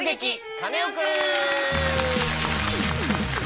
カネオくん」！